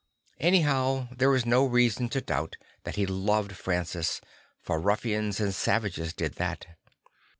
Anyhow, there is DO reason to doubt that he loved Francis, for ruffians and savages did that.